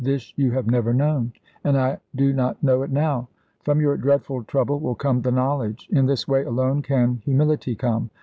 This you have never known." "And I do not know it now." "From your dreadful trouble will come the knowledge; in this way alone can humility come.